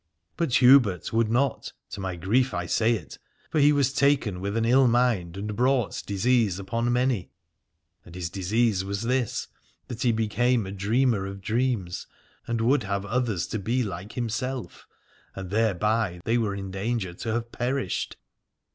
But Hubert would not, to my grief I say it : for he was taken with an ill mind and brought disease upon many. And his disease was this, that he became a dreamer of dreams, and would have others to be like himself: and thereby they were in danger to have perished.